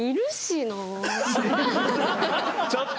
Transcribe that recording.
ちょっと！